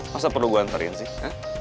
masa perlu gue anterin sih